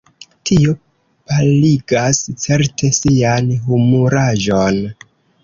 Tio paligas, certe, sian humuraĵon.